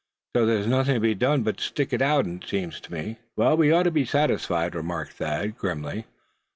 So, there's nothing to be done but stick it out, seems to me." "Well, we ought to be satisfied," remarked Thad, grimly.